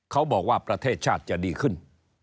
เขาบอกว่าประเทศชาติจะดีขึ้น